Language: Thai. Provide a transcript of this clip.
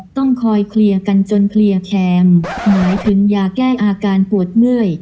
ต้องคอยเคลียร์กันจนเพลียแคมหมายถึงยาแก้อาการปวดเมื่อย